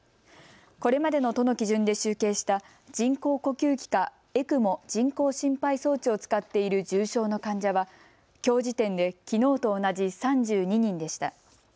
これまでの都の基準で集計した人工呼吸器かＥＣＭＯ・人工心肺装置を使っている重症の患者はきょう時点できのうと同じ３２人でした。